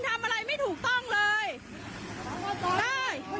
ว่าพวกมันไม่มีตรงตำแหน่งอะไรไม่ได้เกี่ยวข้องด้วย